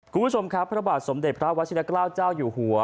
คุณผู้ชมครับพระบาทสมเด็จพระวัชิละเกล้าเจ้าอยู่หัว